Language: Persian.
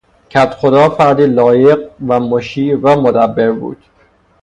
کدخدا فردی لایق و مشیر و مدبر بود.